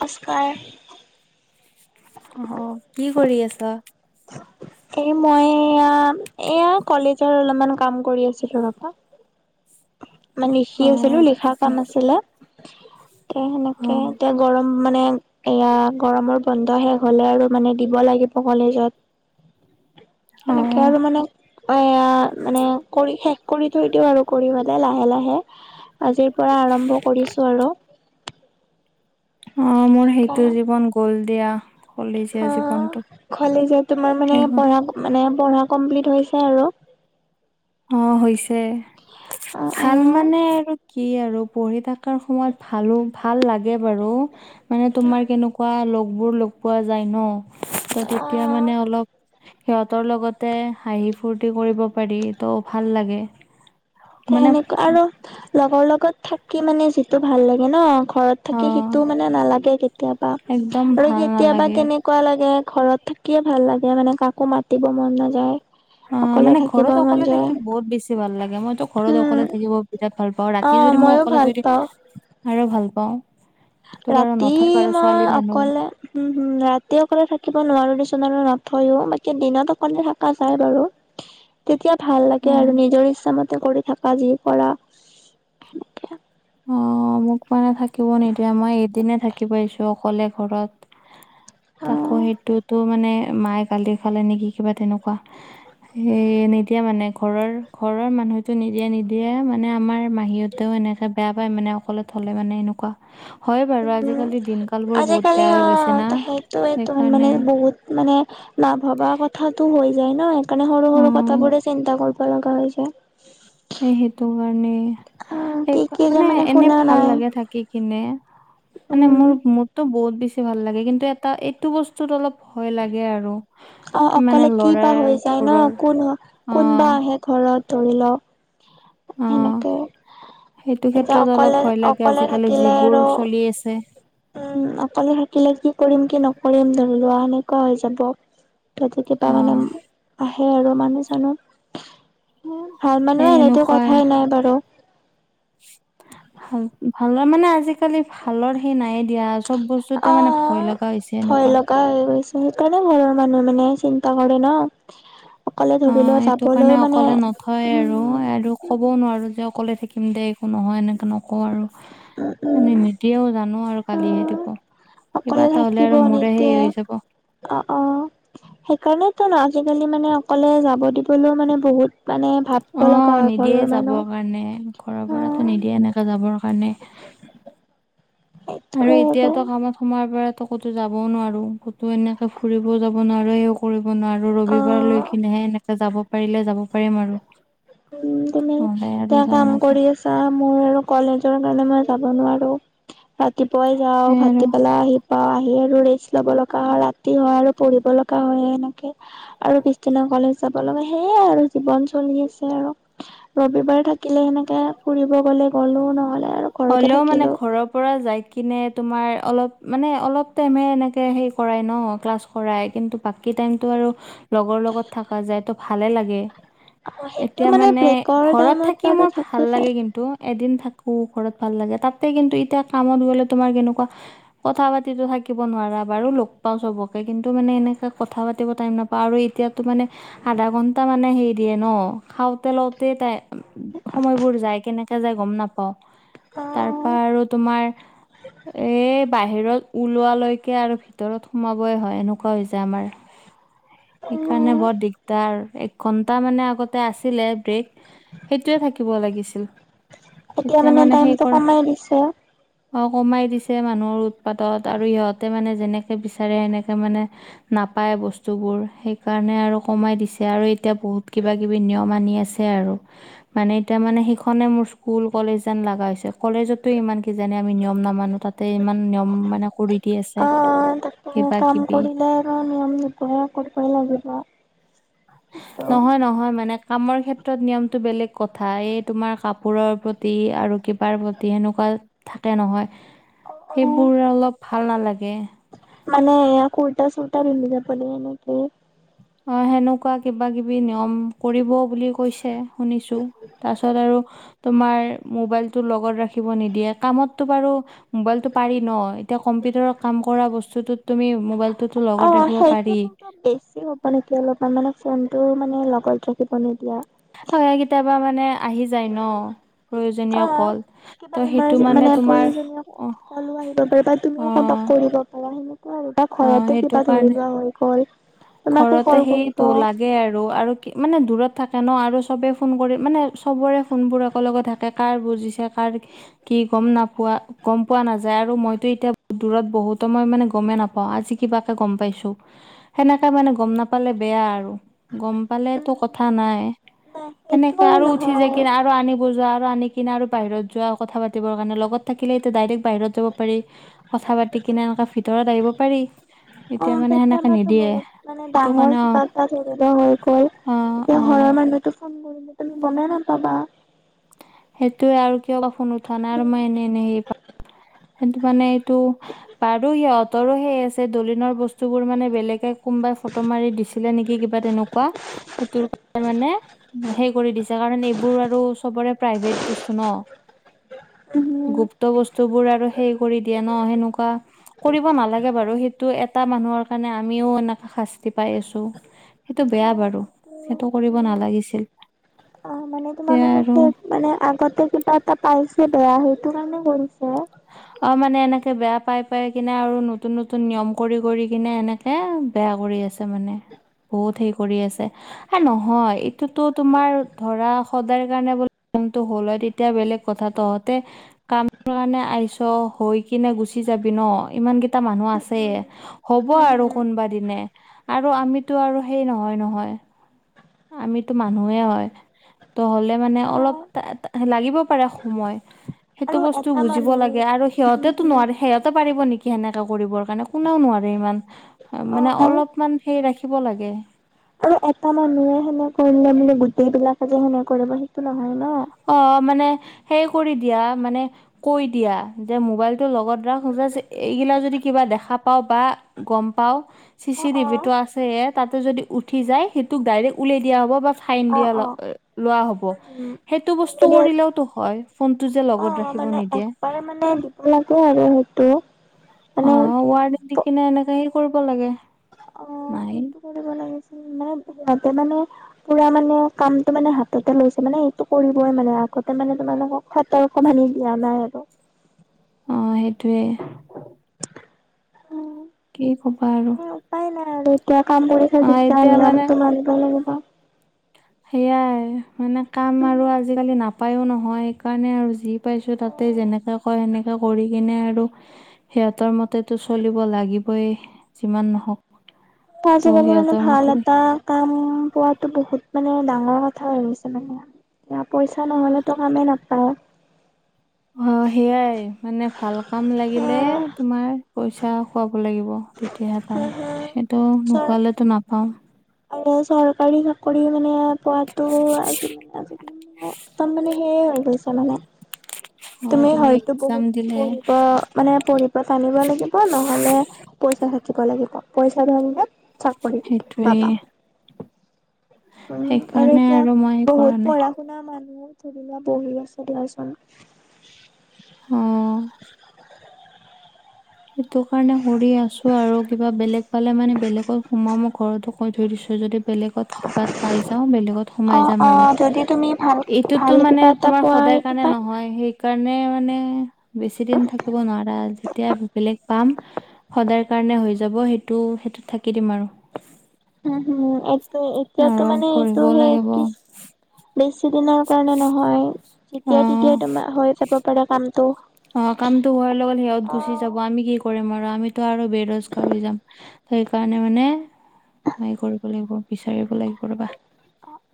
সচকাৰ। অঁ। কি কৰি আছ? এই মই এয়া এইয়া কলেজৰ অলমান কাম কৰি আছিলো ৰবা। মানে লিখি অ আছিলো, লিখা তাকে কাম আছিলে। তে অ সেনেকে তে। গৰম মানে এইয়া গৰমৰ বন্ধ শেষ হ'লে আৰু মানে দিব লাগিব কলেজত। [inaudible] অ সেনেকে আৰু মানে এয়া মানে কৰি শেষ কৰি থৈ দিও আৰু। [unintelligible] লাহে লাহে আজিৰ পৰা আৰম্ভ কৰিছো আৰু। অ, মোৰ সেইটো জীৱন গ'ল দিয়া। কলেজীয়া অ। জীৱনটো ঘলে যে তোমাৰ মানে শেষ হ'ল। পঢ়া মানে পঢ়া কমপ্লিট হৈছে আৰু। অ, হৈছে। ভাল মা মানে অ আৰু কি আৰু পঢ়ি থাকাৰ সময়ত ভালো ভাল লাগে বাৰু। মানে তোমাৰ কেনেকুৱা লগবোৰ লগ পোৱা যায় ন, ত' অ তেতিয়া অ মানে অলপ সিহঁতৰ লগতে হাঁহি ফূুৰ্তি কৰিব পাৰি। ত' ভাল লাগে। তে মানে সেনেকা আৰু। লগৰ লগত থাকি মানে যিটো ভাল লাগে ন, ঘৰত অ থাকি সেইটো মানে নালাগে কেতিয়াবা একদম আৰু ভাল কেতিয়াবা নালাগে কেনে কোৱা লাগে ঘৰত থাকিয়ে ভাল লাগে মানে কাকো মাতিব মন নাযায়। অ, অকলে মানে থাকিব ঘৰত মন অকলে যায় থাকি বহুত বেছি ভাল লাগে। মইতো ঘৰত উম অকলে থাকিব বিৰাট ভাল পাওঁ। অ ৰাতি যদি মই মইয়ো অকলে ভাল ধৰি পাওঁ। আৰু ভাল পাওঁ। ত বাৰু ৰাতি নথয় বাৰু ছোৱালী মই মানুহ অকলে উম হুম, ৰাতি অকলে থাকিব নোৱাৰো নিচিনা [unintelligible] নথৈও। বাকী দিনত অকলে থাকা যায় বাৰু। তেতিয়া ভাল অ লাগে আৰু নিজৰ ইচ্ছাামতে কৰি থাকা যি কৰা। অ, মোক মানে থাকিব নিদিয়ে। মই এদিনে থাকি পাইছো অকলে ঘৰত। অ তাকো সেইটোতো মানে মায়ে গালি খালে নেকি কিবা তেনেকুৱা। সে নিদিয়া মানে ঘৰৰ ঘৰৰ মানুহটো নিদিয়ে নিদিয়ে। মানে আমাৰ মাহিহতেও এনেকে বেয়া পায় মানে অকলে থলে মানে এনেকুৱা। হয় বাৰু উম, আজিকালি দিনকাল বোৰ বহুত আজিকালি বেয়া হৈ গৈছে অ', না [unintelligible] সেইটোটো সেইকাৰণে মান-মানে বহুত মানে নাভবা কথাটো হৈ যায় ন, সেইকাৰণে সৰু, সৰু অ কথাবোৰে চিন্তা কৰি ব লগা হৈছে। সেইটোকাৰণে অ কি সেই কি যে মানে এনে শুনা ভাল নাই লাগে থাকি কিনে। মানে উম মোৰ মোৰটো বহুত বেছি ভাল লাগে, কিন্তু এটা এইটো বচ তোত অলপ ভয় লাগে আৰু। অ', মানে অকলে কি বা ল'ৰাৰ হৈ যায় ন? বোৰৰ কোন অ কোনবা আহে ঘৰত ধৰি ল'। অ সেনেকে সেইটো এতিয়া ক্ষেত্ৰত অলপ অকলে, ভয় লাগে অকলে আজিকালি থাকিলে যিবোৰ আৰু। [unintelligible] আছে। উম, অকলে থাকিলে কি কৰিম, কি নকৰিম ধৰি লোৱা সেনেকুৱা হৈ যাব। ততে কিবা অ মানে আহে আৰু মানুহ, চানুহ। ভাল এই মানুহ আহিলেতো এনেকুৱা কথাই নাই বাৰু। হয়, ভালৰ মানে আজি কালি ভালৰ সেই নাই দিয়া চব বস্তুতে মানে ভয় লগা হৈছে এনেকুৱা। কা হৈ গৈছে সেইকাৰণে ঘৰৰ মানুহে মানে চিন্তা কৰে ন'। অকলে ধৰি লোৱা যাবলৈ মানে হয়, উম, আৰু, আৰু ক'বও নোৱাৰোঁ যে, অকলে থাকিম দে একো নহয়, এনেকে নকওঁ আৰু। উম, মানে নিদিয়েও জানোঁ আৰু গালিহে উম, দিব। কিবা অকলে এটা হ'লে থাকিব আৰু মোৰে নিদিয়ে সেই‌ [unintelligible] যাব। অ', অ', সেইকাৰণেতো ন' আজিকালি মানে অকলে যাব দিবলৈও মানে বহুত মানে ভাবিব লগা অ', হয় নিদিয়ে ঘৰৰ মানুহ। যাবৰ কাৰণে, ঘৰৰ পৰাতো অ', নিদিয়ে এনেকে যাবৰ কাৰণে। আৰু এতিয়াতো কামত সোমোৱাৰ পৰাতো ক'তো যাবওঁ নোৱাৰোঁ, ক'তো এনেকে ফুৰিবও যাব নোৱাৰোঁ এয়ো কৰিব নোৱাৰোঁ ৰবিবাৰ লৈ অ'। কিনেহে এনেকে যাব পাৰিলে যাব পাৰিম আৰু। উম, তুমি নহ'লে আৰু এতিয়া যাব কাম নাযায় কৰি আছ বা মোৰ আৰু কলেজৰ কাৰণে মই যাব নোৱাৰোঁ। ৰাতিপুৱাই যাওঁ, সেই আৰু ভাটি বেলা আহি পা আহি আৰু ৰেষ্ট ল'ব লগা হয়, ৰাতি হয়, আৰু পঢ়িব লগা হয়, এনেকে। আৰু পিছদিনা কলেজ যাব লাগে সেয়াই আৰু জীৱন চলি আছ হে আৰু ৰবিবাৰ থাকিলে সেনেকে ফুৰিব গ'লে গ'লো নহ'লে আৰু ঘৰতে হ'লেও মানে থাকিলো। ঘৰৰ পৰা যায় কিনে তোমাৰ অলপ মানে অলপ টাইমে এনেকে সে কৰাই ন' ক্লাছ। কৰাই কিন্তু বাকী টাইমটো আৰু লগৰ লগত থাকা যায়তো ভালে লাগে। সেইটো এতিয়া মানে ব্ৰেকৰ ঘৰত টাইমত থাকি বাৰু মোৰ থাকো ভাল চাই লাগে কিন এদিন থাকোঁ ঘৰত ভাল লাগে, তাতে কিন্তু এতিয়া কামত গ'লে তোমাৰ কেনেকুৱা কথা পাতিতো থাকিব নোৱাৰা, বাৰু লগ পাওঁ চবকে কিন্তু মানে এনেকে কথা পাতিব টাইম না পা আৰু এতিয়াতো মানে আধা ঘন্টা মানে হেৰি দিয়ে ন' খাওঁতে, লওঁতে টাই উ সময়বোৰ যায় কেনে কে যায় গম নাপাওঁ তাৰ অ', পৰা আৰু তোমাৰ এ বাহিৰত ওলোৱালৈকে আৰু ভিতৰত সোমাবই হয়, এনেকুৱা হৈ যায় আমাৰ। [inaudible] সেইকাৰণে বৰ দিগদাৰ, একঘন্টা মানে আগতে আছিলে ব্ৰেক। সেইটোয়ে থাকিব লাগিছিল, এতিয়া মানে সেই টাইমটো কৰা কমাই দিছে। অ', কমাই দিছে মানুহৰ উৎপাতত, আৰু ইহঁতে মানে যেনেকে বিচাৰে সেনেকে মানে নাপায় বস্তুবোৰ সেইকাৰণে আৰু কমাই দিছে, আৰু এতিয়া বহুত কিবা কিবি নিয়ম আনি আছ হে আৰু মানে এতিয়া মানে সিখনে মোৰ স্কুল কলেজ যেন লাগা হৈছে। কলেজতো ইমান কি জানে আমি নিয়ম নামানো, তাতে ইমান নিয়ম মানে কৰি দি আছে অ', তাকে কিবা কাম কিবি। কৰিলে নিয়ম প্ৰায় ক কৰিব লাগিব অ', নহয় নহয় মানে, কামৰ ক্ষেত্ৰত নিয়মটো বেলেগ কথা এ তোমাৰ কাপোৰৰ প্ৰতি আৰু কিবাৰ প্ৰতি সেনেকুৱা থাকে নহয় সেইবোৰে অলপ ভাল নালাগে। মানে এয়া কুৰতা চুৰটা পিন্ধি যাব দিয়ে নেকি অঁ সেনেকুৱা কিবা কিবি নিয়ম কৰিব বুলি কৈছে শুনিছো তাৰ পাছত আৰু, তোমাৰ মোবাইলতটো লগত ৰাখিব নিদিয়ে। কামততো বাৰু মোবাইলতটো পাৰি ন এতিয়া কম্পিউটাৰত কাম কৰা বস্তুটোত তুমি মোবাইল, অঁ সেইটো কিন্তু বেছি হ'ব হ'ব নেকি অলপমান মানে ফোনটো মানে লগত ৰাখিব নিদিয়া হয় হয় কেতিয়াবা মানে আহি যায় ন। প্ৰয়োজনীয় অ', কল কিবা ত' সেইটো ইমাৰজে মানে তোমাৰ প্ৰয়োজনীয় কলো আহিব পাৰা বা তুমিও অ কাবাক কৰিব পাৰা সেনেকুৱা আৰু বা অ ঘৰতো সেইটো কিবা ধৰি কাৰণে লোৱা হৈ গল। তোমাকে ঘৰতে কল কৰিব সেইটো লাগে আৰু আৰু, কি মানে দূৰত থাকে ন, আৰু চবেই ফোন কৰি মানে চবৰে ফোনবোৰ একেলগে থাকে কাৰ বুজিছে কাৰ কি কি গম নাপোৱা, গম পোৱা নাযায় আৰু মইতো এতিয়া দূৰত বহুত সময় মানে গমেই নাপাওঁ, আজি কিবাকে গম পাইছো। সেনেকে মানে গম নাপালে বেয়া আৰু গম পালে তটো উম, কথা নাই, নাই সেইটো এনেকে আৰু উঠি যায় নহয়। কি? আৰু আনিব যোৱা আৰু আনি কিনে আৰু বাহিৰত যোৱা কথা পাতিৰ কাৰণে লগত থাকিলে এইটো ডাইৰেক্ট বাহিৰত যাব পাৰি কথা পাতি কিনে এনেকা ভিতৰত আহিব পাৰি। অ এতিয়া মানে সেনেকে নিদিয়ে কেতিয়াবাতো বহুত মানে সেইটো ডাঙৰ কাৰণে অ কিবা এটা ধৰি ল হৈ গ'ল। অ এতিয়া অ ঘৰৰ মানুহটো ফোন কৰি তুমি গমেই নাপাবা্ সেইটো আৰু কিয় ক ফোন উঠা নাই আৰু উম মই এনে এনেই হে পা সেইটো মানে এইটো বাৰো সিহঁতৰো সেই আছে দলিনৰ বস্তুবোৰ মানে বেলেগে কোনবাই ফটো মাৰি দিছিলে নেকি? কিবা তেনেকুৱা সেইটো কাৰ মানে সেই কৰি দিছে কাৰণ এইবোৰ আৰু চবৰে প্ৰাইভেট বস্তু ন উম গুপ্ত বস্তু বস্তুবোৰ আৰু সেৰি কৰি দিয়া ন সেনেকুৱা। কৰিব নালাগে বাৰু সেইটো এটা মানুহৰ কাৰণে আমিও এনেকৈ শাস্তি পাই আছোঁ। সেইটো বেয়া বাৰু সেইটো কৰিব নালাগিছিল। অ মানে এতিয়া তোমালোকৰ আৰু শেষ মানে আগতে কিবা এটা পাইছে বেয়া সেইটো কাৰণে কৰিছে অ মানে এনেকে বেয়া পাই পাই কিনে আৰু নতুন নতুন নিয়ম কৰি কৰি কিনে এনে এ বেয়া কৰি আছে মানে বহুত হেই কৰি আছে আ নহয় এইটোতো তোমাৰ ধৰা সদায় কাৰণে বোলে হল হয় তে তেতিয়া বেলেগ কথা তহতে কামৰ কাৰণে আহি আহিছো হৈ কিনে গুচি যাবি ন ইমানকেইটা মানুহ উম আছে হ'ব আৰু উম হম কোনোবা দিনে আৰু আমিতো আৰু সেই নহয় নহয় আমিতো মানুহে হয় ত হ'লে মানে অ অলপ লাগিব পাৰে সময় সেইটো আৰু বস্তু এটা বুজি মানুহ আৰু হম সিহঁতেতো হম নোৱাৰে সিহঁতে পাৰিব নেকি সেনেকা কৰিবৰ কাৰণে কোনেও নোৱাৰে ইমান অ মানে অলপমান সে ৰাখিব লাগে আৰু এটা মানুহে সেনে কৰিলে মানে গোটেই বিলাকে যে সেনে কৰিব সেইটো নহয় ন অ', মানে সেই কৰি দিয়া মানে কৈ দিয়া যে মোবাইলটো লগত ৰাখ, [unintelligible] এইগিলা যদি কিবা দেখা পাওঁ বা গম পাও চি অ চি অ টিভিটো আছে হে তাতে যদি উঠি যায় সেইটোক ডাইৰেক্ট উলিয়াই দিয়া হ'ব বা ফাইন অ দিয়া অ লোৱা হব, উম সেইটো বস্তু উম কৰিলেওতো হয় ফোনটো যে লগত ৰাখিব নিদিয়ে। হলে মানে দিব লাগে আৰু সেইটো। মানে অ', ৱাৰডেন দি কিনে এনেকে সেই কৰিব লাগে। নাইন [unintelligible] তাতে মানে পুৰা মানে কামটো মানে হাততে লৈছে, মানে এইটো কৰিবই মানে আগতে মানে তোমালোকক সতৰ্ক বাণী দিয়া নাই আৰু। অ', সেইটোৱে। [unintelligible] কি ক'বা আৰু। উপাই নাই আৰু এতিয়া কাম কৰিছা অ যেতিয়া এতিয়া মানে নিয়মতো মানিব লাগিব। সেয়াই মানে কাম আৰু আজিকালি নাপায়ো নহয় সেইকাৰণে আৰু যি পাইছো তা তে যেনেকা কয় সেনেকা কৰি কিনে আৰু সিহঁতৰ মতেতো চলিব লাগিবই, যিমান নহওক। ত আজি কালি মানে সিহঁতৰ ভাল মতে এটা কাম পোৱাতো বহুত মানে ডাঙৰ কথা হৈ গৈছে মানে। এয়া পইচা নহ'লেতো কামেই নাপায়। অ', সেয়াই মানে ভাল কাম লাগিলে নাপায়। তোমাৰ পইচা খোৱাব লাগিব। তেতিয়া হম পাই, হম সেইটো চৰ নোখোৱালেতো নাপাও। আৰু চৰকাৰী চাকৰি মানে পোৱাটো আজি [unintelligible] সেই হৈ গৈছে মানে। অ তুমি হয়তো এক্জাম বহুত দিলে পঢ়িব, মানে পঢ়ি টানিব লাগিব, নহলে পইচা থাকিব লাগিব পইচা [unintelligible] চাকৰি সেইটোৱে পাবা। উম আৰু সেইকাৰণে এতিয়া মই কৰা বহুত নাই পঢ়া শুনা মানুহ ধৰি লোৱা বহি আছে দিয়াচোন। উম। সেইটো কাৰণে কৰি আছো আৰু কিবা বেলেগ পালে মানে বেলেগত সোমোৱা ম ঘৰতো কৈ থৈ দিছো যদি বেলেগত কিবাত পাই যাও বেলেগত অ সোমাই যাম অ আৰু। যদি তুমি ভাল ভাল এইটোততো মানে কিবা এটা তোমাৰ পোৱা সদায় সেইটো সেইকাৰণে পাই নহয়, সেইকাৰণে মানে বেছি দিন থাকিব নোৱাৰা যেতিয়া বেলেগ পাম, সদায় কাৰণে হৈ যাব। সেইটো সেইটোত থাকি দিম আৰু। উম হুম, এটো এতিয়াতো আৰু মানে পঢ়িব এইটো সেই লাগিব [unintelligible] দুদিনৰ কাৰণে নহয়, অ যেতিয়াই তেতিয়াই তোমাৰ হৈ যাব পাৰে কামটো। অ', কামটো হোৱাৰ লগত সিহঁত অ গুচি যাব আমি কি কৰিম আৰু আমিতো আৰু বেৰজগাৰ হৈ যাম। সেইকাৰণে মানে এই কৰিব লাগিব, বিচাৰিব লাগিব ৰ'বা।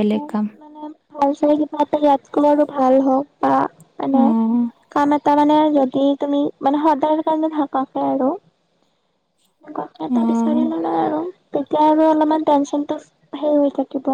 বেলেগ কাম। মানে ভাল [unintelligible] কিবা এটা ইয়াতকৈ আৰু ভাল হওক বা মানে অ', কাম এট তাৰ মানে যদি তুমি, মানে সদায় কাৰণে থাকাকে আৰু। কথা এটা বিচাৰি অ', ল'লে আৰু তেতিয়া আৰু অলপমান টেনচনটো হে হৈ থাকিব।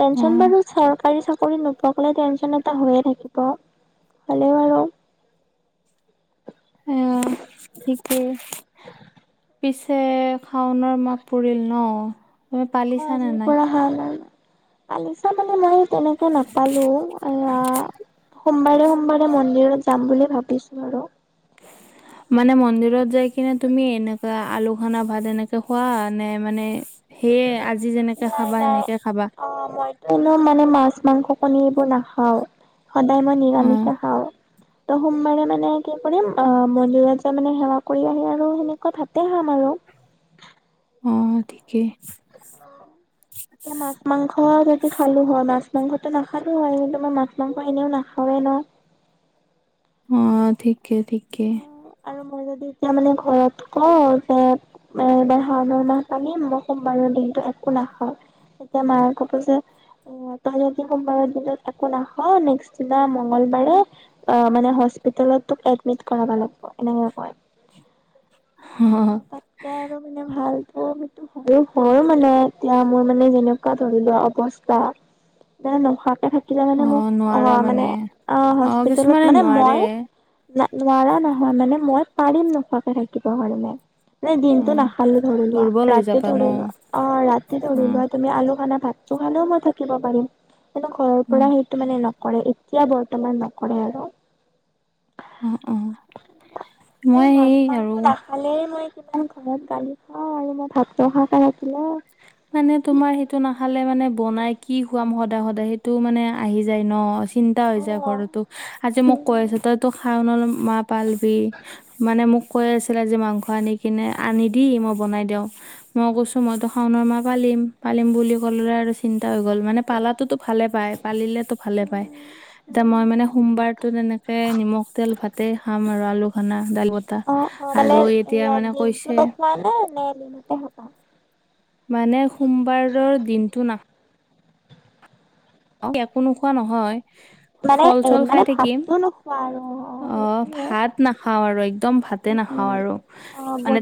টেনচন অ', বাৰু চৰকাৰী চাকৰি নুপ অকলে টেঞ্চন এটা হৈয়ে থাকিব। হ'লেওঁ আৰু এহ তাকে, পিছে শাওঁনৰ মাহ পৰিল ন? তুমি অ' পালিছানে আজিৰ নাই পৰা শাওঁনৰ মাহ, পালিছা মানে মই তেনেকে নাপালো। এইয়া সোমবাৰে সোমবাৰে মন্দিৰত যাম বুলি ভাবিছো আৰু। হয়। মানে মন্দিৰত যাই কিনে তুমি এনেকুৱা আলু সনা ভাত এনেকে খোৱা নে, মানে সেয়ে আজি যেনেকে খাবা সেনেকে খাবা? কোনো মানে মাছ মাংস কণী এইবোৰ নাখাওঁ, সদায় মই অ', নিৰামিষে খাওঁ। ত' সোমবাৰে মানে কি কৰিম অ' মন্দিৰত যে মানে সেৱা কৰি আহি আৰু সেনেকুৱা ভাতে খাম আৰু। অ' ঠিকেই। এতিয়া মাছ মাংস যদি খালোঁ হয়, মাছ মাংসটো নাখালোঁ হয়, কিন্তু মই মাছ মাংস এনেও নাখাওঁয়ে ন। অ' ঠিকে ঠিকে। আৰু মই যদি এতিয়া মানে ঘৰত কওঁ, যে এ এইবাৰ শাওঁণ মাহ পালিম মই সোমবাৰৰ দিনতটো একো নাখাওঁ। তেতিয়া মায়ে ক'ব যে অ' তই যদি সোমবাৰৰ দিনত একো নাখাৱ, নেক্স দিনা মংগলবাৰে অ' মানে হস্পিতেল তোক এডমিট কৰাব লাগিব এনেকে কয়। অ', তাতকে আৰু মানে ভাল প্ৰম সেইটো আৰু হয় মানে এতিয়া মোৰ মানে যেনেকুৱা ধৰি লোৱা অৱস্থা। মানে নোখোৱাকে থাকিলে মানে মোক অ' নোৱাৰা অ' মানে অ' কিছুমানে হস্পিতেলত মানে নোৱাৰে মই ন নোৱাৰা নহয়, মানে মই পাৰিম নোখোৱাকে থাকিব কাৰণে নাই দিনটো অ', নাখালো ধৰি লোৱা, দুৰ্বল হৈ ৰাতি যাবা ন ধৰি লোৱা অ' ৰাতি ধৰি অ', লোৱা। তুমি আলু সনা ভাতটো খালেও মই থাকিব পাৰিম। কিন্তু ঘৰৰ পৰা অ', মানে নকৰে এতিয়া বৰ্তমান নকৰে আৰু। অ', অ'। এই মই মাছ সেই মাংস আৰু নাখ খালেই মই কিমান ঘৰত গালি খাওঁ, আৰু মই ভাত নোখোৱাকে থাকিলে মানে তোমাৰ সেইটো নাখালে মানে বনাই কি খুৱাম সদায় সদায় সেইটো মানে আহি যায় ন। চিন্তা হৈ অ উম যায় ঘৰটো, আজি হুম মোক কৈ আছে তই তো শাওঁণৰ মাহ পালি বি। মানে মোক কৈ আছিলে যে মাংস আনি কিনে আনি দি মই বনাই দিওঁ। মই কৈছো মইতো শাওঁণৰ মাহ পালিম। পালিম বুলি ক'লো আৰু চিন্তা হৈ গ'ল, মানে পালাতোতো ভালে পায় পালিলেতো ভালে হুম পায়। হুম এতিয়া হুম মই হুম মানে সোমবাৰতো তেনেকে নিমখ তেল ভাতেই খাম আৰু আলু খানা দাইল বতা। অ আৰু এতিয়া মানে কৈছে ভ নে এ নি মতে হকা [unintelligible] মানে সোমবাৰৰ দিনটো নাখ একো নোখোৱা নহয়। মানে ফল এ চল খাই মানে থাকিম, ভাতটো নোখোৱা আৰু অ' সেইটোৱে। ভাত নাখাওঁ আৰু একদম ভাত তে উম নাখাওঁ উম আৰু। অ বহুত মানে